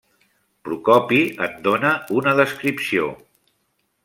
Procopi en dona una descripció.